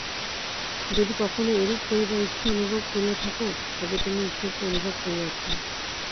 যদি কখনও এরূপ করিবার ইচ্ছা অনুভব করিয়া থাক, তবেই তুমি ঈশ্বরকে অনুভব করিয়াছ।